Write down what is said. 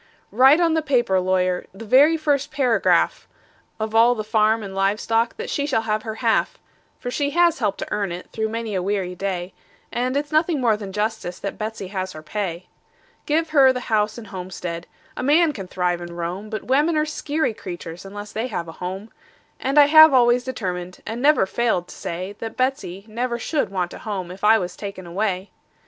Write on the paper, lawyer the very first paragraph Of all the farm and live stock that she shall have her half; For she has helped to earn it, through many a weary day, And it's nothing more than justice that Betsey has her pay. Give her the house and homestead a man can thrive and roam; But women are skeery critters, unless they have a home; And I have always determined, and never failed to say, That Betsey never should want a home if I was taken away.